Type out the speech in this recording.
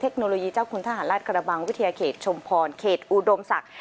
เทคโนโลยีเจ้าคุณทหารราชกระบังวิทยาเขตชุมพรเขตอุดมศักดิ์